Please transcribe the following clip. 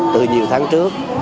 từ nhiều tháng trước